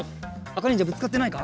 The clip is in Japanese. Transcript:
あかにんじゃぶつかってないか？